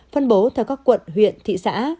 phân bố theo các quận huyện thị xã